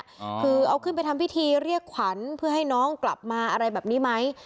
คือเอาขึ้นไปทำพิธีเรียกขวัญเพื่อให้น้องกลับมาอะไรแบบนี้ไหม